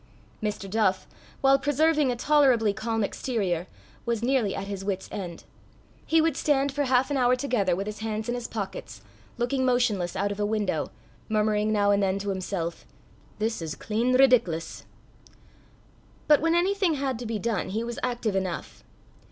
Mr. Duff, while preserving a tolerably calm exterior, was nearly at his wits' end. He would stand for half an hour together, with his hands in his pockets, looking motionless out of a window, murmuring now and then to himself, "This is clean ridic'lous!" But when anything had to be done, he was active enough.